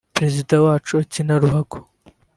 Perezida wacu akina ruhago